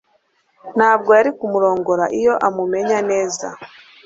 Ntabwo yari kumurongora iyo amumenya neza